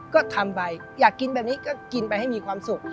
ก็ทำไปอยากกินแบบนี้ก็กินไปให้มีความสุข